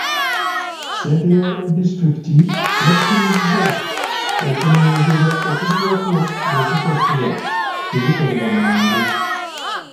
Ssentebe wa disitulikiti yakkiriza okunenyezebwa okuggyako ng'okusasulwa tebikolebwa mangu.